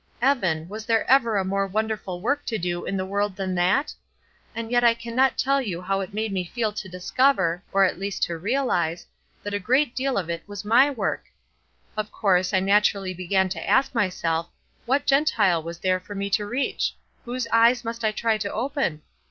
Evan, was there ever a more wonderful work to do in the world than that? And yet I cannot tell you how it made me feel to discover, or at least to realize, that a great deal of it was my work! Of course, I naturally began to ask myself, what Gentile was there for me to reach? Whose eyes must I try to open?